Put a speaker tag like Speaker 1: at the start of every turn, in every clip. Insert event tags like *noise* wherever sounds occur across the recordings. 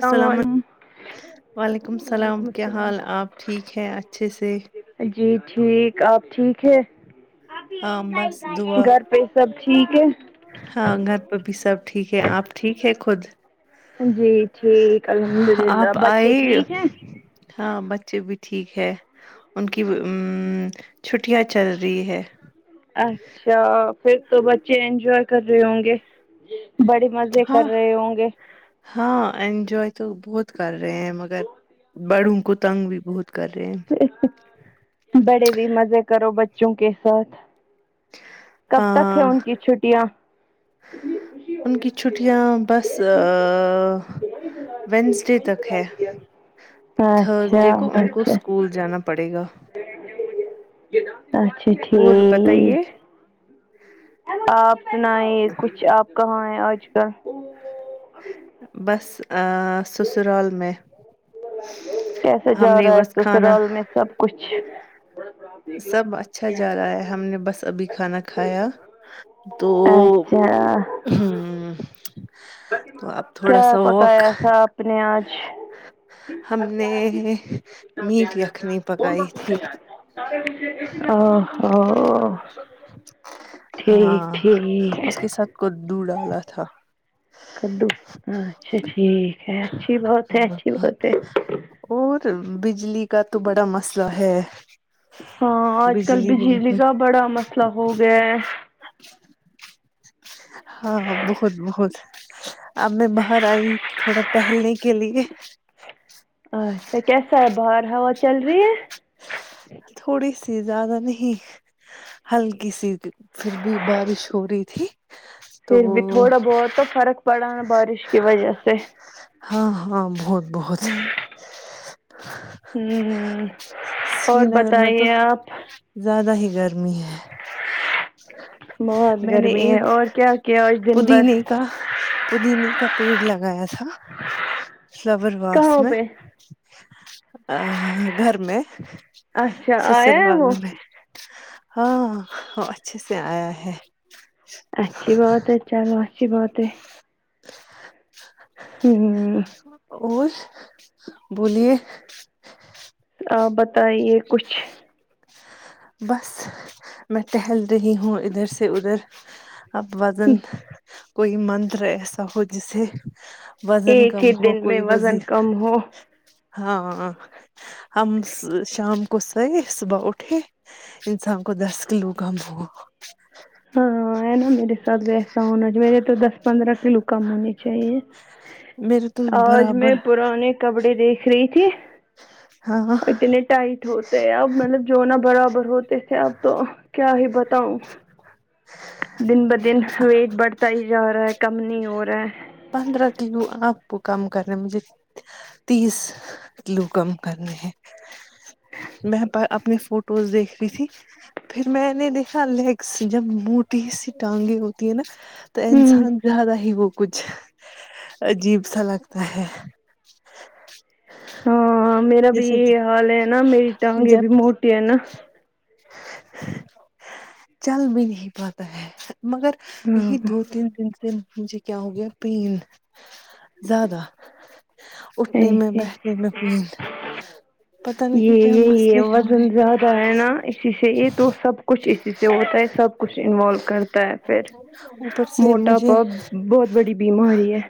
Speaker 1: السلام علے وعلیکم السلام کیا حال آپ ٹھیک ہیں اچھے سے
Speaker 2: جی ٹھیک آپ ٹھیک ہے
Speaker 1: ہاں بس دعا
Speaker 2: گھر پہ سب ٹھیک ہے
Speaker 1: ہاں گھر پہ بھی سب ٹھیک ہے آپ ٹھیک ہے خود
Speaker 2: جی ٹھیک الحمد للہ
Speaker 1: آپ
Speaker 2: بچے
Speaker 1: آئے
Speaker 2: ٹھیک ہیں
Speaker 1: ہاں بچے بھی ٹھیک ہے ان کی وہ اممم چھٹیاں چل رہی ہے
Speaker 2: اچھا پھر تو بچے انجوائے کر رہے ہوں گے بڑے مزے کر
Speaker 1: ہاں
Speaker 2: رہے ہوں گے
Speaker 1: ہاں انجوائے تو بہت کر رہے ہیں مگر بڑوں کو تنگ بھی بہت کر رہے ہیں
Speaker 2: بڑے بھی مزے کرو بچوں کے ساتھ کب تک ہے
Speaker 1: ہاں
Speaker 2: ان کی چھٹیاں
Speaker 1: ان کی چھٹیاں بس آ وینسڈے تک ہے تھرز
Speaker 2: اچھا
Speaker 1: ڈے کو ان کو
Speaker 2: اچھا
Speaker 1: اسکول جانا پڑے گا
Speaker 2: اچھا ٹھیک
Speaker 1: اور بتائیے
Speaker 2: آپ سنیں کچھ آپ کہاں ہیں آج کل
Speaker 1: بس ا سسرال میں
Speaker 2: کیسا
Speaker 1: ہم
Speaker 2: جا
Speaker 1: نے
Speaker 2: رہا ہے
Speaker 1: بس کھانا
Speaker 2: سسرال میں سب کچھ
Speaker 1: *inaudible* سب اچھا جا رہا ہے ہم نے بس ابھی کھانا کھایا تو
Speaker 2: اچھا
Speaker 1: ہمم توہ اب تھوڑا
Speaker 2: کیا
Speaker 1: سا ورک
Speaker 2: پکایا تھا آپ نے آج
Speaker 1: ہم نے میٹھی اخنی پکائی تھی
Speaker 2: اؤ ہو ٹھیک
Speaker 1: ہاں
Speaker 2: ٹھیک
Speaker 1: اس کے ساتھ کدو ڈالا تھا
Speaker 2: کدو اچھا ٹھیک ہے اچھی بات ہے
Speaker 1: ہاں
Speaker 2: اچھی بات ہے
Speaker 1: اور بجلی کا تو بڑا مسئلہ ہے
Speaker 2: ہاں آج کل
Speaker 1: ہی
Speaker 2: بجلی
Speaker 1: نہیں
Speaker 2: کا بڑا مسئلہ ہو گیا ہے
Speaker 1: ہاں بہت بہت اب میں باہر آئی تھوڑا ٹہلنے کے لیے
Speaker 2: اچھا کیسا ہے باہر ہوا چل رہی ہے
Speaker 1: تھوڑی سی زیادہ نہیں ہلکی سی پھر بھی بارش ہو رہی تھی تو
Speaker 2: پھر بھی تھوڑا بہت تو فرق پڑا ہے بارش کی وجہ سے
Speaker 1: ہاں ہاں بہت بہت
Speaker 2: ہمم اور
Speaker 1: سری نگر میں تو
Speaker 2: بتائیے آپ
Speaker 1: زیادہ ہی گرمی ہے
Speaker 2: بہت
Speaker 1: میں نے
Speaker 2: گرمی ہے
Speaker 1: ایک
Speaker 2: اور کیا کیا آج دن بھر
Speaker 1: پودینے کا پودینے کا پیڑ لگایا تھا فلاور واس
Speaker 2: کہاں
Speaker 1: میں
Speaker 2: پہ
Speaker 1: ا گھر میں
Speaker 2: اچھا آیا ہے
Speaker 1: سسرال
Speaker 2: وہ
Speaker 1: میں ہاں اچھے سے آیا ہے
Speaker 2: اچھی بات ہے چلو اچھی بات ہے
Speaker 1: *inaudible*
Speaker 2: ہوں
Speaker 1: اور بولیے
Speaker 2: آپ بتائیے کچھ
Speaker 1: بس میں ٹہل رہی ہوں ادھر سے ادھر اب
Speaker 2: ہم،
Speaker 1: وزن کوئی منتر ایسا ہو جسے وزن
Speaker 2: ایک
Speaker 1: کم
Speaker 2: ہی
Speaker 1: ہو
Speaker 2: دن میں
Speaker 1: کوئی وز
Speaker 2: وزن کم ہو
Speaker 1: ہاں ہم شام کوسئے ہیں صبح اٹھ کے انسان کو دس کلو کا بھوگ
Speaker 2: ہاں ہے نا میرے ساتھ ویسا ہونااہ میرے تو دس پندرہ کلو کم ہونی چاہیے
Speaker 1: میرے تو
Speaker 2: آج میں
Speaker 1: برابر
Speaker 2: پرانے کپڑے دیکھ رہی تھی
Speaker 1: ہاں
Speaker 2: اور اتنے ٹائی ٹ ہوتے اب مطلب جونا برابر ہوتے تھے اب تو کیا ہی بتاؤں دن ب دن ویٹ بڑھتا ہی جا رہا ہے کم نہیں ہو رہا ہے
Speaker 1: پندرہ کلو آپ کو کم کرنے مجھے تیس کلو کم کرنے ہیں میں پر اپنی فوٹوز دیکھ رہی تھی پھر میں نے دیکھا لیگس جب موٹی سی ٹانگیں ہوتی ہے نا تو
Speaker 2: ہوں
Speaker 1: انسان زیادہ ہی وہ کچھ عجیب سا لگتا ہے
Speaker 2: ہاں میرا بھی
Speaker 1: جیسے
Speaker 2: یہ حال ہے نا میری ٹانگے
Speaker 1: جب
Speaker 2: بھی موٹی ہے نا
Speaker 1: چل بھی نہیں پات ہے مگر
Speaker 2: ہاں
Speaker 1: یہی دو تین دن ن مجھے کیا ہو گیا پین زیادہ اٹھنے میں
Speaker 2: یہی
Speaker 1: بیٹھنے میں پین پتا نہیں
Speaker 2: یہ
Speaker 1: کیا
Speaker 2: یہی
Speaker 1: مسئلے ہوئے
Speaker 2: وزن زیادہ ہے نا اسی سے یہ تو سب کچھ اسی سے ہوتا ہے سب کچھ انوالو کرتا ہے پھر
Speaker 1: اوپر سے
Speaker 2: موٹا
Speaker 1: مجھے
Speaker 2: پا بہت بڑی بیماری ہے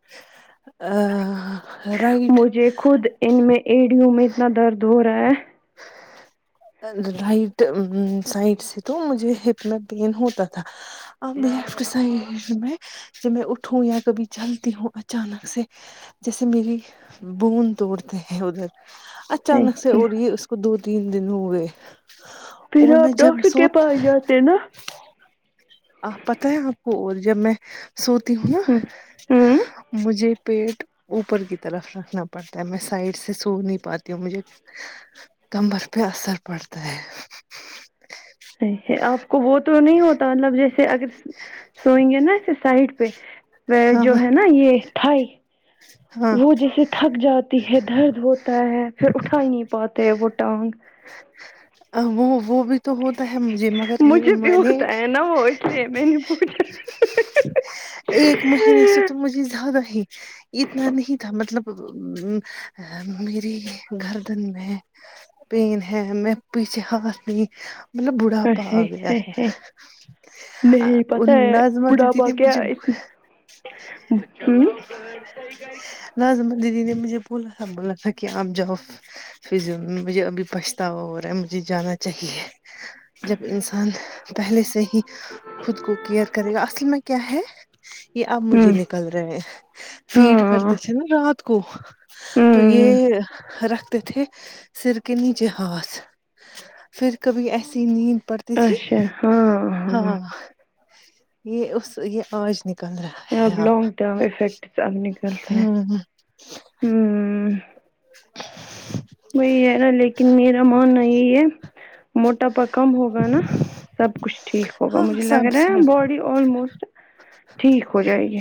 Speaker 1: آ
Speaker 2: مجھے خود ان میں ایڑیوں میں اتنا درد ہو رہا ہے
Speaker 1: رائٹ سائڈ سے تو مجھے ہپ میں پین ہوتا تھا اب لیفٹ سائڈ ہپ میں جب میں اٹھوں یا کبھی چلتی ہوں اچانک سے جیسے میری بون توڑدے ادھر اچانک سے اور رہی اس کو دو تین دن ہو ئے اور میں جب سوت
Speaker 2: تے نا
Speaker 1: آپ پتہ ہے آپ کو اور جب میں سوتی ہوں نا
Speaker 2: ہوں
Speaker 1: مجھے پیٹ اوپر کی طرف رکھنا پڑتا ہے میں سائڈ سے سو نہیں پاتی ہوں مجھے کمبر پہ اثر پڑتا ہے
Speaker 2: صحیح ہے ا آپ کو وہ تو نہیں ہوت مطلب جیسے اگر سوئیں گے نا ایسے سائڈ پہ
Speaker 1: ہاں
Speaker 2: جو ہے نا یہ تھائی
Speaker 1: ہاں
Speaker 2: وہ جیسے تھک جاتی ہے درد ہوتا ہے پھر اٹھا ہی نہیں پاتے ہیں وہ ٹانگ
Speaker 1: وہ وہ بھی تو ہوتا ہے مجھے مگر یہ
Speaker 2: مجھے بھی
Speaker 1: میں نے
Speaker 2: ہوتا ہے نا وہ اس لیے میں نے پوچھا
Speaker 1: ایک مہینے سے تو مجھے زیادہ ہی اتنا نہیں تھا مطلب میری گردن میں پین ہے ہمیں پیچھے حواستی مطلب بڑھا پا آ گیا ہے
Speaker 2: نہیں
Speaker 1: ان
Speaker 2: پتا ہے
Speaker 1: ناظمہ دیدی
Speaker 2: بڑھاپا
Speaker 1: کے
Speaker 2: کیا
Speaker 1: پیچھے *inaudible*
Speaker 2: ہوں
Speaker 1: نظمہ دیدی نے مجھے بولا تھا بولا تھا کہ آپ جاؤ فزیو میں مجھے ابھی پچھتاوا ہو رہا ہے مجھے جانا چاہیے جب انسان پہلے سے ہی خود کو کیئر کرے گا اصل میں کیا ہے یہ اب مجھے لے نکل رہے فیڈ
Speaker 2: ہاں
Speaker 1: کرتے تھے نا رات کو تو
Speaker 2: ہوں
Speaker 1: یہ رکھتے تھے سر کے نیچے ہاتھ پھر کبھی ایسی نیند پر تی تھی
Speaker 2: اچھا ہاں
Speaker 1: ہاں یہ اس یہ آج نہیں
Speaker 2: یہ اب لانگ ٹرم افیکٹس اب نکلتے رہے ہیں
Speaker 1: ہ
Speaker 2: ہمم وہی ہے نہ لیکن میرا ماننا یہی ہے موٹاپا کم ہوگا نا سب کچھ ٹھیک ہوگا
Speaker 1: ہاں
Speaker 2: مجھے لگ
Speaker 1: سب
Speaker 2: رہا ہے
Speaker 1: سب
Speaker 2: باڈی آلموسٹ ٹھیک ہو جائے گی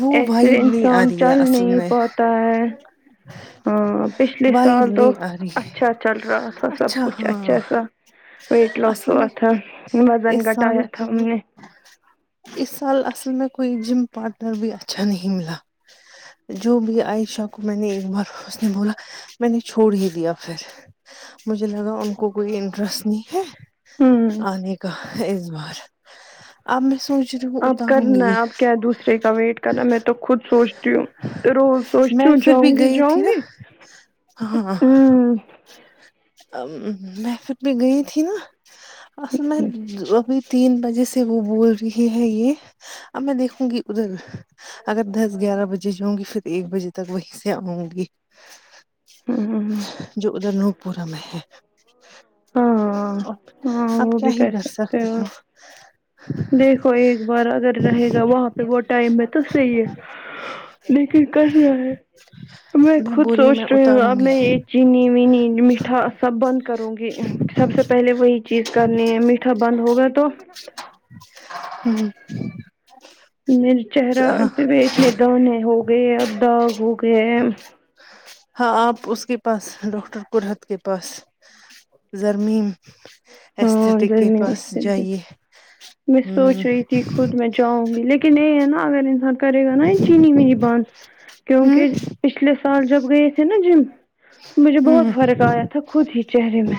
Speaker 1: وہ
Speaker 2: ایسے
Speaker 1: وائب نہیں آ
Speaker 2: انسان
Speaker 1: رہی ہے
Speaker 2: چاہے
Speaker 1: اصل
Speaker 2: نہیں
Speaker 1: میں
Speaker 2: پاتا ہے ہاں پچھلے
Speaker 1: وائب
Speaker 2: سال تو
Speaker 1: نہیں آ رہی ہے
Speaker 2: اچھا چل رہا تھا سب
Speaker 1: اچھا
Speaker 2: کچھ
Speaker 1: ہاں
Speaker 2: اچھا سا ویٹ لوس
Speaker 1: اصل
Speaker 2: ہوا
Speaker 1: میں
Speaker 2: تھا وزن
Speaker 1: اس سال
Speaker 2: گٹایا تھا ہم نے
Speaker 1: اس سال اصل میں کوئی جم پارٹنر بھی اچھا نہیں ملا جو بھی عائشہ کو میں نے ایک بار اس نے بولا میں نے چھوڑ ہی دیا پھر مجھے لگا ان کو کوئی انٹرسٹ نہیں ہے
Speaker 2: ہوں
Speaker 1: آنے کا ہےاس بار اب میں سوچ رہی ہوں
Speaker 2: اب
Speaker 1: اتاروں
Speaker 2: کرنا
Speaker 1: گی
Speaker 2: ہے اب کیا ہے دوسرے کا ویٹ کرنا میں تو خود سوچتی ہوں روز سوچتی
Speaker 1: میں
Speaker 2: ہوں
Speaker 1: پھر
Speaker 2: جاؤں
Speaker 1: بھی
Speaker 2: گی
Speaker 1: گئی تھی
Speaker 2: جاؤں
Speaker 1: نا
Speaker 2: گی
Speaker 1: ہاں
Speaker 2: ہوں
Speaker 1: میں پھر بھی گئی تھی نا اصل میں ابھی تین بجے سے وہ بول رہی ہے یہ اب میں دیکھوں گی ادھر اگر دس گیارہ بجے جاؤں گی پھر ایک بجے تک وہیں سے آؤں گی
Speaker 2: ہم ہم ہم
Speaker 1: جو ادھر نوک پورا میں ہے
Speaker 2: ہاں ہاں
Speaker 1: اپ
Speaker 2: وہ
Speaker 1: کیا
Speaker 2: بھی
Speaker 1: ہی کر
Speaker 2: سکتے
Speaker 1: سکتی ہو
Speaker 2: دیکھو ایک بار اگر رہے گا وہاں پہ وہ ٹائم ہے تو صحیح ہے لیکن کر رہ ہے میں خود
Speaker 1: بوری میں
Speaker 2: سوچ رہی ہوں اب
Speaker 1: اتاروں گی
Speaker 2: میں ایک چینی وینی میٹھا سب بند کرو گی سب سے پہلے وہی چیز کرنی ہے میٹھا بند ہوگا تو
Speaker 1: ہاں جی
Speaker 2: میرے چہرہ پہ اتنے دان ہو گئے اب داغ ہو گئے ہیں
Speaker 1: ہاں آپ اس کے پاس ڈاکٹر کررہت کے پاس زرمیم
Speaker 2: ہاں
Speaker 1: اسٹیک کے
Speaker 2: گرمی
Speaker 1: پاس
Speaker 2: نے،
Speaker 1: جائیے
Speaker 2: میں
Speaker 1: ہ
Speaker 2: سوچ رہی تھی خود میں جاؤں گی لیکن یہ ہے نا اگر انسان کرے گا نا یہ چینی وینی بانند
Speaker 1: ہ
Speaker 2: کیونکہ پچھلے سال جب گئے تھے نا جیم مجھے بہت
Speaker 1: ہوں
Speaker 2: فرق آیا تھا خود ہی چہرے میں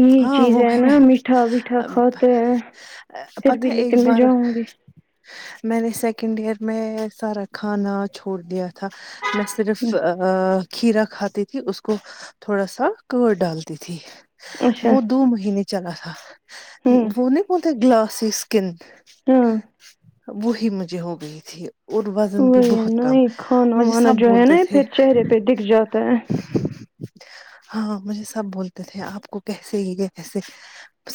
Speaker 2: یہی
Speaker 1: ہاں
Speaker 2: چیز
Speaker 1: وہ
Speaker 2: ہے نا میٹھا ویٹھا کھاتے ہیں پھر
Speaker 1: پتہ
Speaker 2: بھی
Speaker 1: ہے ایک
Speaker 2: لیکن میں
Speaker 1: بار
Speaker 2: جاؤں گی
Speaker 1: میں نے سیکنڈ ایئر میں سارا کھانا چھوڑ دیا تھا میں صرف کھیرا کھاتی تھی اس کو تھوڑا سا کارڈ ڈالتی تھی
Speaker 2: اچھا
Speaker 1: وہ دو مہینے چلا تھا
Speaker 2: ہوں
Speaker 1: وہ نہیں بولتے گلاسی اسکن
Speaker 2: ہاں
Speaker 1: وہی مجھے ہو گئی تھی اور وزن بھی
Speaker 2: وہی ہے
Speaker 1: بہت
Speaker 2: نا
Speaker 1: کم
Speaker 2: یہ کھانا
Speaker 1: مجھے
Speaker 2: وانا
Speaker 1: سب
Speaker 2: جو ہے نا
Speaker 1: بولتے تھے
Speaker 2: پھر چہرے پہ دکھ جاتا ہے
Speaker 1: ہاں مجھے سب بولتے تھے آپ کو کیسے یہ کیسے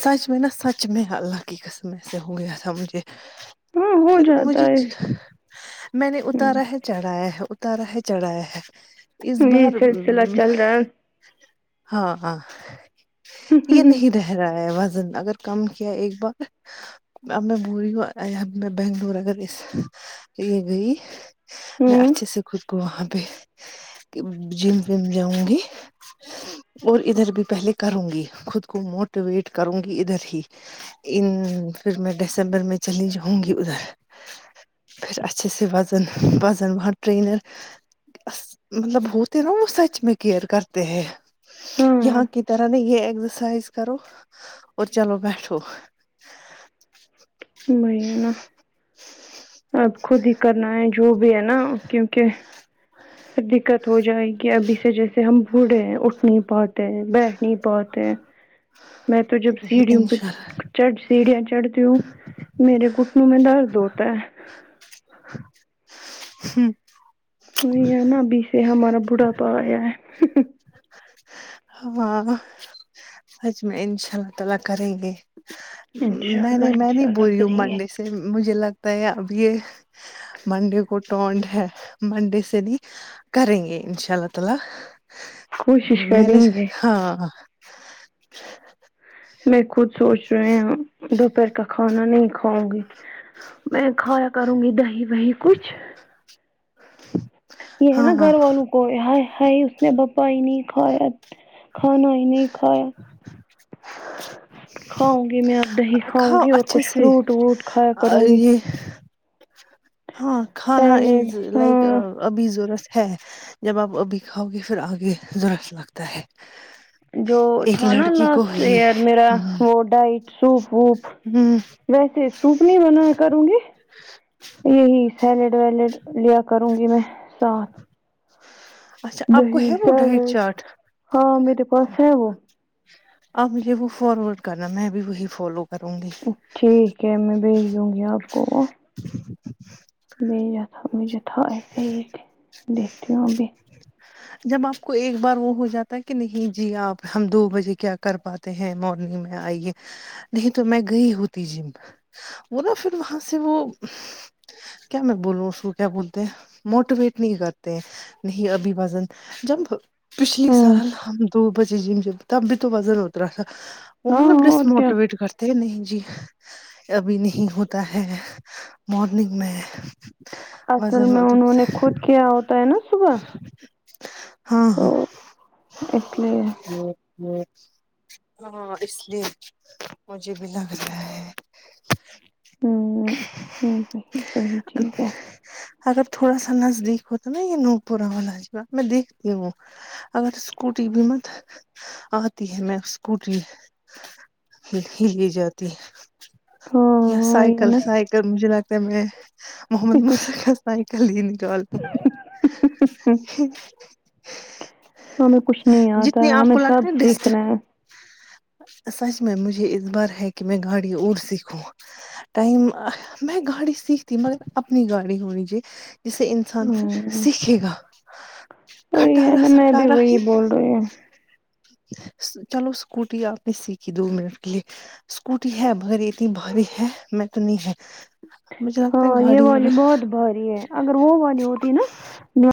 Speaker 1: سچ میں نا سچ میں اللہ کی قسم سے ہو گیا تھا مجھے
Speaker 2: ہاں ہو
Speaker 1: پھر
Speaker 2: جاتا
Speaker 1: مجھے
Speaker 2: ہے
Speaker 1: میں نے
Speaker 2: ہ
Speaker 1: اتارا ہے چڑھایا ہے اتارا ہے چڑھایا ہے اس
Speaker 2: یہ
Speaker 1: بار
Speaker 2: سلسلہ چل رہا ہے
Speaker 1: ہاں ہاں یہ نہیں رہ را وزن اگر کم کیا ایک بار اب میں بول رہی ہوں میں بنگلور اگر یہ گئی میں
Speaker 2: ہ
Speaker 1: اچھے س خود کو وہاں پہ جم وم جاؤں گی اور ادھر بھی پہلے کروں گی خود کو موٹیویٹ کروں گی ادھر ہی ان پھر میں دسمبر میں چلی جاؤ گی ادھر پھر اچھے سے وزن وزن وہاں ٹرینر مطلب ہوتے نا وہ سچ میں کیئر کرتے ہیں
Speaker 2: ہاں
Speaker 1: یہاں کی طرح نہیں ہے ایکسرسائز کرو اور چلو بیٹھو
Speaker 2: وہی ہے نہ اپ خود ہی کرنا ہے جو بھی ہے نا کیونکہ پھر دقت ہو جائے گی ابھی سے جیسے ہم بوڑھے ہیں اٹھ نہیں پاتے بیٹھ نہیں پاتے میں تو جب سیڑھیوں پے
Speaker 1: انشاء
Speaker 2: چڑ سیڑیا چڑھتی ہو میرے گھٹنے میں درد ہوتا ہے
Speaker 1: ہوں
Speaker 2: وہی ہے نا ابھی سے ہمارا بڑھا پا آیا ہے
Speaker 1: ہاں سچ میں انشاء اللہ تعالی کریں گے
Speaker 2: انشاء
Speaker 1: میں نے
Speaker 2: اللہ
Speaker 1: میں
Speaker 2: انشاء
Speaker 1: نہیں
Speaker 2: اللہ
Speaker 1: بولی ہوں
Speaker 2: کریں گے
Speaker 1: مونڈے سے مجھے لگتا ہے اب یہ مڈے کو ٹونٹ ہے مونڈے سے نی کرے گے انشاء اللہ تعالی
Speaker 2: کوشش
Speaker 1: میں نے
Speaker 2: کریں گے
Speaker 1: ہاں *inaudible*
Speaker 2: میں خود سوچ رہے ہ دوپہر کا کھانا نہیں کھاؤں گی میں نے کھایا کروں گی دہی وہی کچھ
Speaker 1: *inaudible*
Speaker 2: یہ ہے
Speaker 1: ہاں
Speaker 2: نا
Speaker 1: ہاں
Speaker 2: گھر والوں کو ہے ہائی ہائی اس نے بتا ہی نہیں کھایا کھانا ہی نہیں کھایا کھاؤں گی میں اب دہی کھاؤں
Speaker 1: کھاؤ
Speaker 2: گی اور
Speaker 1: اچھے
Speaker 2: کچھ
Speaker 1: سے
Speaker 2: فروٹ وروٹ کھایا کروں گی
Speaker 1: یہ ہاں کھانا
Speaker 2: سیلیڈ
Speaker 1: از لائک
Speaker 2: ہاں
Speaker 1: ابھی ضورت ہے جب آپ ابھی کھاؤ گے پھر آگے زورت لگتا ہے
Speaker 2: جو
Speaker 1: ایک
Speaker 2: تھا نا
Speaker 1: لڑکی کو
Speaker 2: لاسٹ
Speaker 1: یہ
Speaker 2: ایئر میرا وہ
Speaker 1: ہ
Speaker 2: ڈائٹ سوپ ووپ
Speaker 1: ہ
Speaker 2: ویسے سوپ نہیں بنایا کروں گی یہی سیلیڈ ویلیڈ لیا کروں گی میں ساتھ
Speaker 1: اچھا آپ کو
Speaker 2: دہی
Speaker 1: ہے وہ ڈائٹ
Speaker 2: سیلیڈ
Speaker 1: چاٹ
Speaker 2: ہاں میرے پاس ہے وہ
Speaker 1: اپ مجھے وہ فارورڈ کرنا میں بھی وہی فالو کروں گی
Speaker 2: ٹھیک ہے میں بھیج دوں گی آپ کو وہ ب تھا مجھے تھا ایسے ہی ایک دیکھتی ہوں بھی
Speaker 1: جب آپ کو ایک بار وہ ہو جاتا ہے کہ نہیں جی آپ ہم دو بجے کیا کر پاتے ہیں مارننگ میں آئیے نہیں تو میں گئی ہوتی جم وہ ن پھر وہاں سے وہ کیا میں بولوں اس تو کیا بولتے ہیں موٹیویٹ نہیں کرتے نہیں ابھی وزن جب پچھلی
Speaker 2: ہوں
Speaker 1: سال ہم دو بجے جم ج تب بھی تو وزن ات رہا تھا وہ
Speaker 2: ہاں
Speaker 1: مطلب
Speaker 2: ہاں اور کیا
Speaker 1: ڈسموٹیویٹ کر نہیں جی ابھی نہیں ہوتا ہے مارننگ میں
Speaker 2: اصل
Speaker 1: وزن
Speaker 2: میں انہوں
Speaker 1: اترتا
Speaker 2: نے
Speaker 1: ہے۔
Speaker 2: خود کیا ہوتا ہے نا صبح
Speaker 1: ہاں ہاں
Speaker 2: تو اس لیے
Speaker 1: ہمم ہاں اس لیے مجھے بھی لگ رہا ہے
Speaker 2: ہوں ہمم وہی وہی چیز ہے
Speaker 1: اگر تھوڑا سا نزدیک ہو تو نا یہ نو پورا ہوا نجبہ میں دیکھتی ہوں اگر اسکوٹی بھی مت آتی ہے میں اسکوٹی *unintelligible* یہ جاتی یا
Speaker 2: ہاں وہی ہے
Speaker 1: سائیکل سائیکل مجھے لگتا ہے میں محمد مجھ سائیکل ہی نکال دو
Speaker 2: نا ہمیں کچھ نہیں آتا ہمیں سب
Speaker 1: لگتا ہے ڈسٹ
Speaker 2: سیکھنا ہے
Speaker 1: سچ میں مجھے اس بار ہے کہ میں گاڑی اور سیکھوں ٹائم میں گاڑی سیکھتی مگر اپنی گاڑی ہونی چاہے جسے انسان پھر
Speaker 2: ہمم
Speaker 1: سیکھے گا
Speaker 2: وہی ہے
Speaker 1: خٹارا
Speaker 2: نا میں بھی
Speaker 1: سٹارا
Speaker 2: وہی
Speaker 1: ہی
Speaker 2: بول رہی ہوں
Speaker 1: چلو اسکوٹی آپ نے سیکھی دو منٹ کے لیے اسکوٹی ہے بھرے اتنی بھاری ہے میں تو نہیں ہے مجھے پ
Speaker 2: ہاں یہ
Speaker 1: گڑی ہیں
Speaker 2: والی
Speaker 1: بس
Speaker 2: بہت بھاری ہے اگر وہ والی ہوتی نا